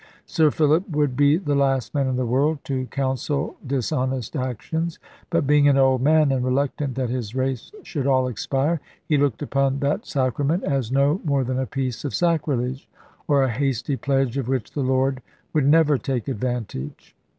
Sir Philip would be the last man in the world to counsel dishonest actions; but being an old man, and reluctant that his race should all expire, he looked upon that sacrament as no more than a piece of sacrilege, or a hasty pledge of which the Lord would never take advantage.